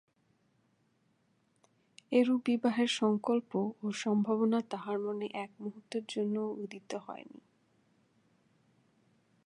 এরূপ বিবাহের সংকল্প ও সম্ভাবনা তাহার মনে এক মুহূর্তের জন্যও উদিত হয় নাই।